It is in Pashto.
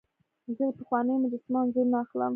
زه د پخوانیو مجسمو انځورونه اخلم.